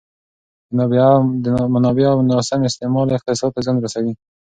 د منابعو ناسم استعمال اقتصاد ته زیان رسوي.